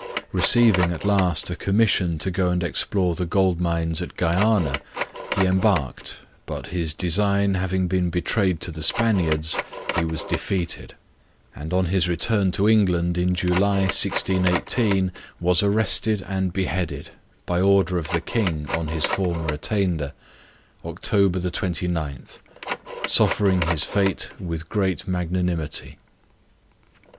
Receiving, at last, a commission to go and explore the gold mines at Guiana, he embarked; but his design having been betrayed to the Spaniards, he was defeated: and on his return to England, in July, 1618, was arrested and beheaded, (by order of the King, on his former attainder,) October 29; suffering his fate with great magnanimity.